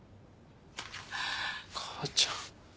母ちゃん。